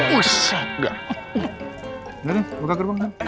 udah deh buka gerbang